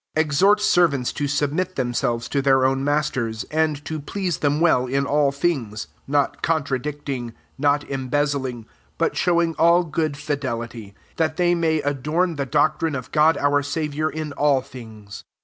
9 Exhort servants to submit themselves to their own masters, and to please them well in all tMnge^ not contradicting, 10 not em bezzling, but showing sdl good fidelity; that they may adora the doctrine of God our Saviour in all things.